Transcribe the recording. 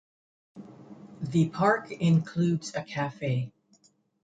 The park includes a cafe.